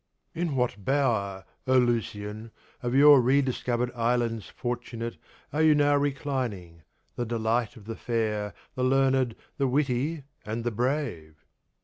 In what bower, oh Lucian, of your rediscovered Islands Fortunate are you now reclining; the delight of the fair, the learned, the witty, and the brave?